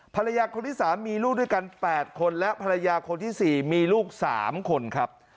ภรรยาคนที่๓มีลูกด้วยกัน๘คนและภรรยาคนที่๔มีลูก๓คนครับ